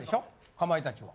かまいたちは。